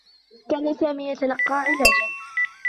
كان سامي يتلقّى علاجا.